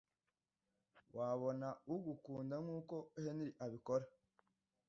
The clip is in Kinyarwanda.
wabona ugukunda nkuko Henry abikora